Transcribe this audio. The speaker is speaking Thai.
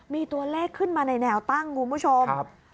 มีตัวเลขขึ้นมาในแนวตั้งคุณผู้ชม